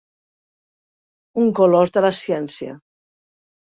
Un colós de la ciència.